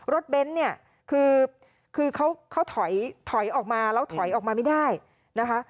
เบนท์เนี่ยคือเขาถอยออกมาแล้วถอยออกมาไม่ได้นะคะ